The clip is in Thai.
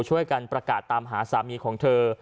ช่วยกันประกาศตามหาสามีของเธอ